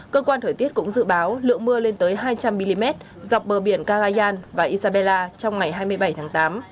cơ quan thời tiết cũng dự báo lượng mưa lên tới hai trăm linh mm dọc bờ biển gagayan và isabella trong ngày hai mươi bảy tháng tám